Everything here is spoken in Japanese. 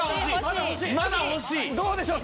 どうでしょう？